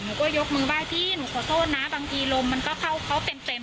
หนูก็ยกมือไหว้พี่หนูขอโทษนะบางทีลมมันก็เข้าเขาเต็มเต็ม